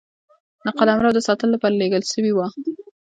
د قلمرو د ساتلو لپاره لېږل سوي وه.